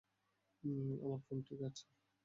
আমার ফোন ঠিক আছে।